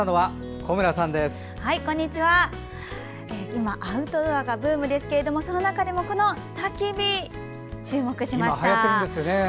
今アウトドアがブームですがその中でもたき火、注目しました。